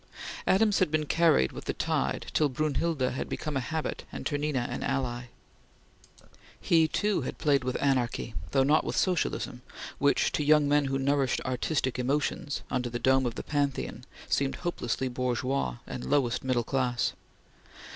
Adams had been carried with the tide till Brunhilde had become a habit and Ternina an ally. He too had played with anarchy; though not with socialism, which, to young men who nourished artistic emotions under the dome of the Pantheon, seemed hopelessly bourgeois, and lowest middle class.